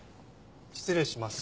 失礼します。